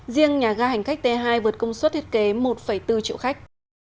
riêng nhà ga hành khách t hai vượt công suất thiết kế một bốn triệu khách